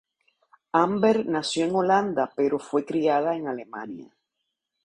Amber nació en Holanda pero fue criada en Alemania.